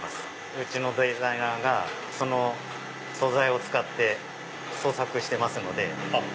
うちのデザイナーがその素材を使って創作してます。